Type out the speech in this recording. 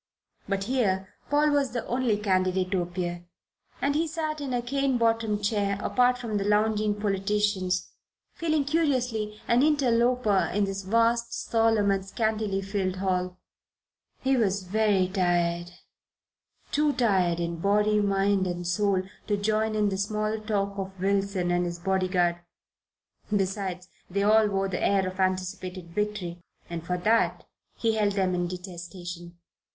But here Paul was the only candidate to appear, and he sat in a cane bottomed chair apart from the lounging politicians, feeling curiously an interloper in this vast, solemn and scantily filled hall. He was very tired, too tired in body, mind and soul to join in the small talk of Wilson and his bodyguard. Besides, they all wore the air of anticipated victory, and for that he held them in detestation.